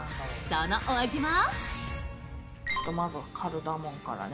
そのお味は？